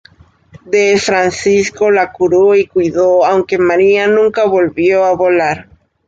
D. Francisco la curó y cuidó, aunque María nunca volvió a volar.